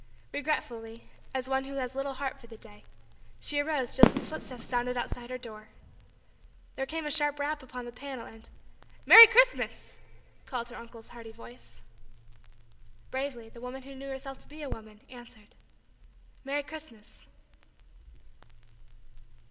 Regretfully, as one who has little heart for the day, she arose just as footsteps sounded outside her door. Then came a sharp rap upon the panel and "Merry Christmas" called her uncle's hearty voice. Bravely the woman who knew herself to be a woman answered: "Merry Christmas."